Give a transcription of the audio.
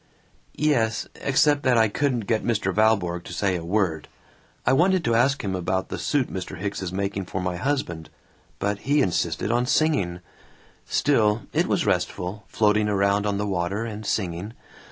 "Yes, except that I couldn't get Mr. Valborg to say a word. I wanted to ask him about the suit Mr. Hicks is making for my husband. But he insisted on singing. Still, it was restful, floating around on the water and singing.